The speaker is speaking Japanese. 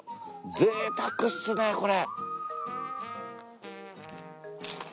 ぜいたくっすねこれ。